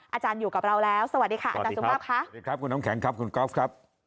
อาจารย์อยู่กับเราแล้วสวัสดีค่ะคุณหนังแข็งคุณกรอบครับ